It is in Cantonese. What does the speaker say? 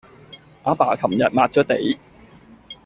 阿爸琴日抹咗地